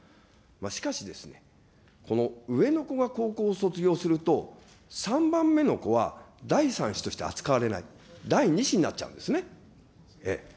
しかしですね、この上の子が高校を卒業すると、３番目の子は第３子として扱われない、第２子になっちゃうんですね。